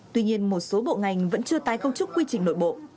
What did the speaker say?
tuy nhiên một số bộ ngành vẫn chưa tái công chức quy trình nội bộ